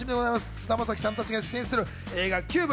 菅田将暉さんたちが出演する映画『ＣＵＢＥ